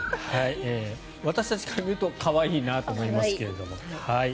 私たちから見ると可愛いなと思いますけれども。